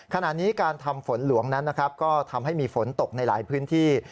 ขณะนี้การทำฝนหลวงนั้นนะครับก็ทำให้มีฝนตกในหลายพื้นที่